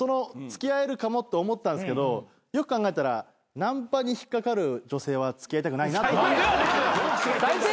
付き合えるかもと思ったんすけどよく考えたらナンパに引っ掛かる女性は付き合いたくないなと。